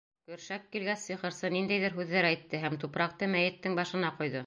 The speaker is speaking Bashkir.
Көршәк килгәс, сихырсы ниндәйҙер һүҙҙәр әйтте һәм тупраҡты мәйеттең башына ҡойҙо.